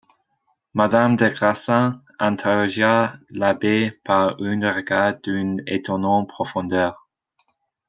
Madame des Grassins interrogea l’abbé par un regard d’une étonnante profondeur.